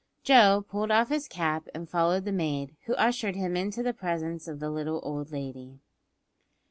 Joe pulled off his cap and followed the maid, who ushered him into the presence of the little old lady.